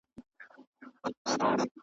د چا درمان وسو ارمان پوره سو .